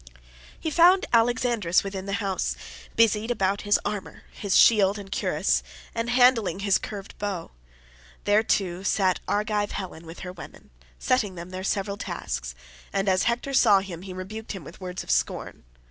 He found Alexandrus within the house, busied about his armour, his shield and cuirass, and handling his curved bow; there, too, sat Argive Helen with her women, setting them their several tasks; and as Hector saw him he rebuked him with words of scorn.